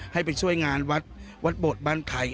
ให้เป็นช่วยงานวัดบทบั้นไทย